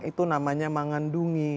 itu namanya mengandungi